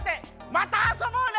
またあそぼうね！